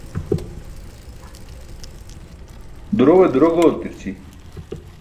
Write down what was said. Durowe duro gooltirići.